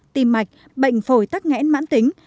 tim mạch bệnh phổi tắc nghẽn mãn tính